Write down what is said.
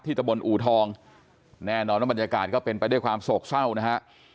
ตะบนอูทองแน่นอนว่าบรรยากาศก็เป็นไปด้วยความโศกเศร้านะฮะ